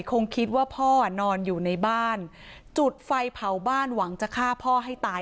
คงคิดว่าพ่อนอนอยู่ในบ้านจุดไฟเผาบ้านหวังจะฆ่าพ่อให้ตาย